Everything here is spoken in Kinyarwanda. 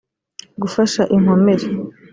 gufasha inkomere